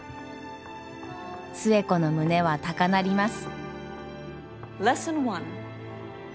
寿恵子の胸は高鳴ります。